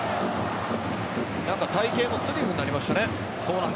体形もスリムになりましたね。